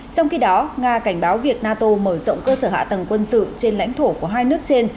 trong khi đó nga cảnh báo việc nato mở rộng cơ sở hạ tầng quân sự trên lãnh thổ của hai nước trên